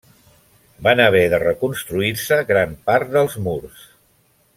Van haver de reconstruir-se gran part dels murs.